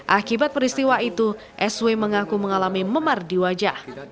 akibat peristiwa itu sw mengaku mengalami memar di wajah